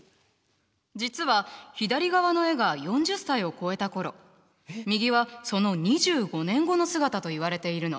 実は左側の絵が４０歳を越えた頃右はその２５年後の姿といわれているの。